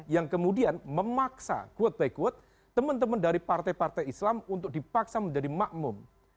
yang kemudian memaksa quote by quote teman teman dari partai partai islam untuk dipaksa menjadi makmum